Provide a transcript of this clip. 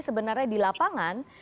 sebenarnya di lapangan